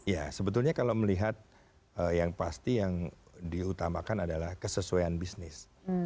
ya sebetulnya kalau melihat yang pasti yang diutamakan adalah kesesuaian bisnis